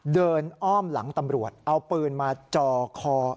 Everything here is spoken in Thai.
อ้อมหลังตำรวจเอาปืนมาจ่อคอ